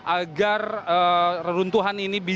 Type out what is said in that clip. agar runtuhan ini